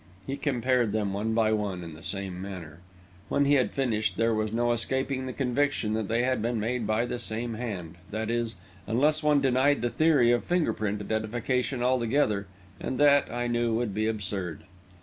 He compared them one by one, in the same manner. When he had finished, there was no escaping the conviction that they had been made by the same hand that is, unless one denied the theory of finger print identification altogether, and that, I knew, would be absurd.